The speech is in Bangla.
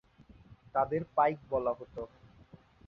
তাদের পাইক বলা হত।